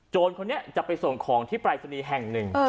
คนนี้จะไปส่งของที่ปรายศนีย์แห่งหนึ่ง